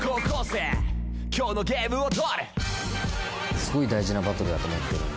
すごい大事なバトルだと思ってる。